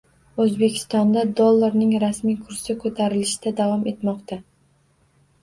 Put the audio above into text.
O‘zbekistonda dollarning rasmiy kursi ko‘tarilishda davom etmoqda